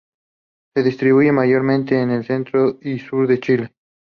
Se distribuye mayormente en el centro y sur de Chile.